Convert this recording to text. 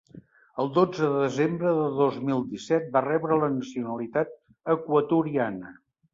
El dotze de desembre de dos mil disset va rebre la nacionalitat equatoriana.